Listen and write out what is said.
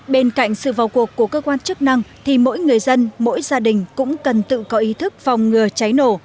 bên cạnh sự vào cuộc của cơ quan chức năng thì mỗi người dân mỗi gia đình cũng cần tự có ý thức phòng ngừa cháy nổ